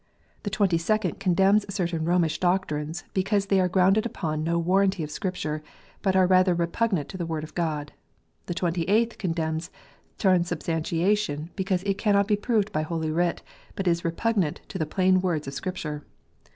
The Twenty second condemns certain Romish doctrines, because they "are grounded upon no warranty of Scripture, but are rather repugnant to the Word of God." The Twenty eighth condemns transubstantiation, because it " cannot bo proved by Holy Writ, but is repugnant to the plain words of Scripture."